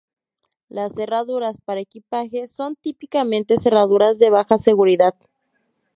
Las cerraduras para equipaje son típicamente cerraduras de baja seguridad.